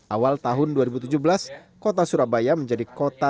awal tahun dua ribu tujuh belas kota surabaya menjadi kota